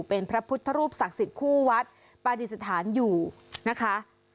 เป็นพระพุทธรูปศักดิ์สิทธิ์คู่วัดปฏิสถานอยู่นะคะ